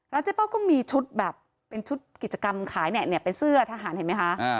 เจ๊เป้าก็มีชุดแบบเป็นชุดกิจกรรมขายเนี่ยเป็นเสื้อทหารเห็นไหมคะ